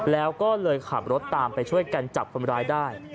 แล้วก็เลยขับรถตามไปช่วยกันจับคนร้ายได้